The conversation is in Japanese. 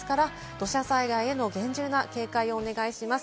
土砂災害への厳重な警戒をお願いします。